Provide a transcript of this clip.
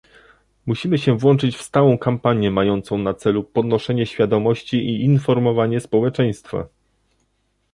Musimy się włączyć w stałą kampanię mającą na celu podnoszenie świadomości i informowanie społeczeństwa